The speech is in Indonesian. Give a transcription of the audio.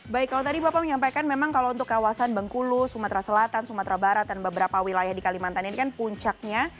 baik kalau tadi bapak menyampaikan memang kalau untuk kawasan bengkulu sumatera selatan sumatera barat dan beberapa wilayah di kalimantan ini kan puncaknya